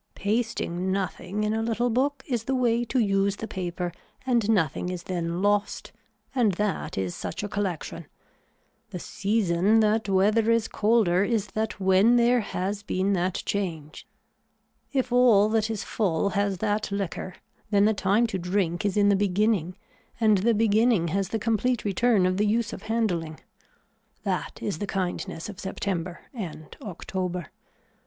Pasting nothing in a little book is the way to use the paper and nothing is then lost and that is such a collection. The season that weather is colder is that when there has been that change. If all that is full has that liquor then the time to drink is in the beginning and the beginning has the complete return of the use of handling. That is the kindness of September and October.